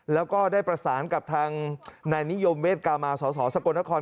แล้วก็ได้ประสานกับทางนายนิยมเวทกามาสสกลนคร